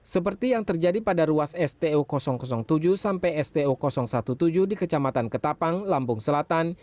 seperti yang terjadi pada ruas stu tujuh sampai stu tujuh belas di kecamatan ketapang lampung selatan